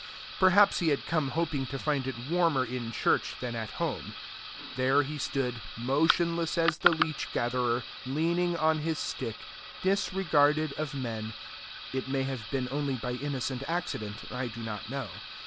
Perhaps he had come hoping to find it warmer in church than at home. There he stood, motionless as the leech gatherer, leaning on his stick, disregarded of men it may have been only by innocent accident, I do not know.